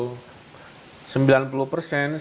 sembilan tahun itu saya kembali ke bandungnya